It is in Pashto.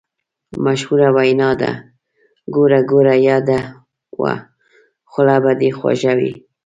مشهوره وینا ده: ګوړه ګوړه یاده وه خوله به دې خوږه وي.